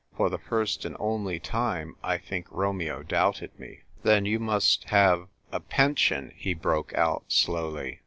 For the first and only time, I think Romeo doubted me. "Then you — must have — a pension," he broke out, slowly.